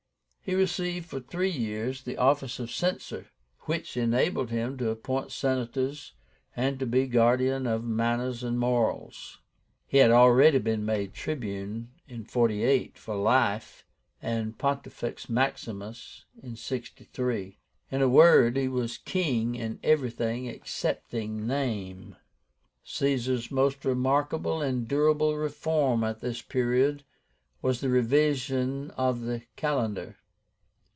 He received for three years the office of Censor, which enabled him to appoint Senators, and to be guardian of manners and morals. He had already been made Tribune (48) for life, and Pontifex Maximus (63). In a word, he was king in everything excepting name. Caesar's most remarkable and durable reform at this period was the REVISION OF THE CALENDAR.